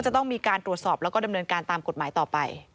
จะต้องมีการตรวจสอบแล้วก็ดำเนินการตามกฎหมายต่อไป